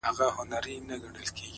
• څه پیسې لرې څه زر څه مرغلري,